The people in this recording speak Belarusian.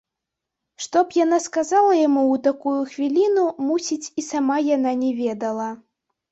Што б яна сказала яму ў такую хвіліну, мусіць, і сама яна не ведала.